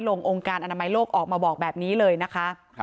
องค์องค์การอนามัยโลกออกมาบอกแบบนี้เลยนะคะ